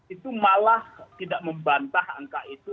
itu malah tidak membantah angka itu